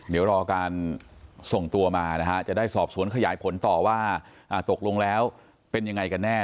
เดี๋ยวรอการส่งตัวมานะฮะจะได้สอบสวนขยายผลต่อว่าตกลงแล้วเป็นยังไงกันแน่